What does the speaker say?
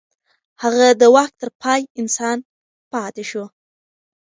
هغه د واک تر پای انسان پاتې شو.